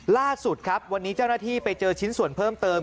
ล่าสุดครับวันนี้เจ้าหน้าที่ไปเจอชิ้นส่วนเพิ่มเติม